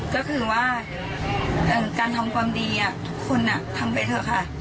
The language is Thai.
ก็คือว่าการทำความดีทุกคนทำไปเถอะค่ะ